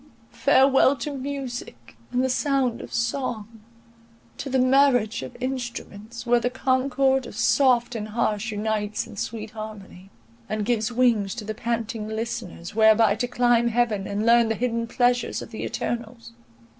Farewell to music, and the sound of song; to the marriage of instruments, where the concord of soft and harsh unites in sweet harmony, and gives wings to the panting listeners, whereby to climb heaven, and learn the hidden pleasures of the eternals!